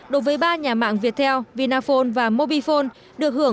đối với ba nhà mạng viettel vinaphone và mobifone